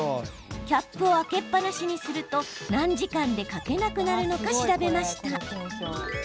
キャップを開けっぱなしにすると何時間で書けなくなるのか調べました。